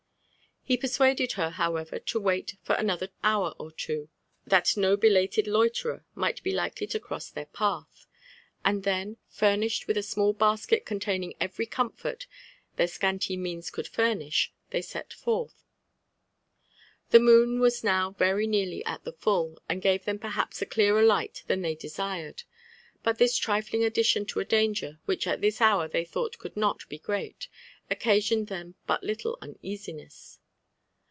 He persuaded her, however, to wait for another hour or two, that no belated loiterer might be likely to cross their path ; and then, fur nished with a small basket containing every comfort their scanty means could furnish, they set forth. The moon was now very nearly at the full, and gave them perhaps a clearer light than they desired ; but this trifling addition to a danger wliich at this hour they thought could not be great, occasioned them but little uneasiness.